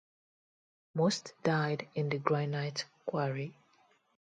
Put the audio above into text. Most died in the granite quarry.